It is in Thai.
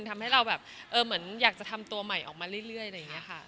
ทำให้เราแบบเหมือนอยากจะทำตัวใหม่ออกมาเรื่อยอะไรอย่างนี้ค่ะ